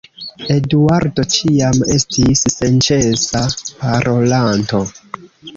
Eduardo ĉiam estis senĉesa parolanto.